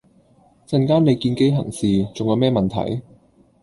陣間你見機行事，重有咩問題？